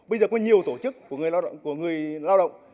bây giờ có nhiều tổ chức của người lao động